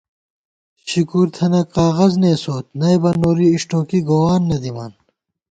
شکر تھنہ کاغذنېسوت نئیبہ نوری اِݭٹوکی گووان نہ دِمان